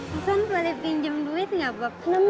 susah boleh pinjem duit gak bob